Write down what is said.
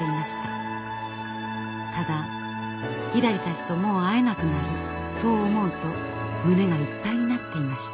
ただひらりたちともう会えなくなるそう思うと胸がいっぱいになっていました。